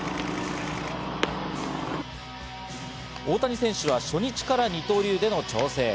大谷選手は初日から二刀流での調整。